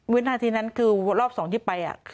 วินาทีนั้นคือของรอบสองที่ไป